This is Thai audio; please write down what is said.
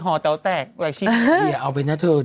เป็นการกระตุ้นการไหลเวียนของเลือด